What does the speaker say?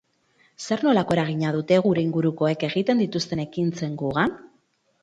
Zer nolako eragina dute gure ingurukoek egiten dituzten ekintzek gugan?